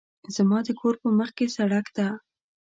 زما د کور په مخکې سړک ده